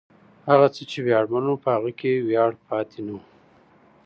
هغه څه چې ویاړمن و، په هغه کې ویاړ پاتې نه و.